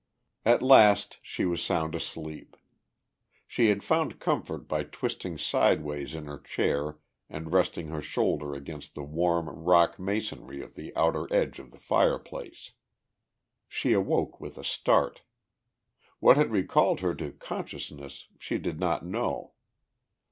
At last she was sound asleep. She had found comfort by twisting sideways in her chair and resting her shoulder against the warm rock masonry of the outer edge of the fireplace. She awoke with a start. What had recalled her to consciousness she did not know.